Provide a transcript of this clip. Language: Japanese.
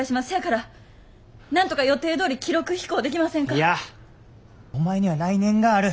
いやお前には来年がある。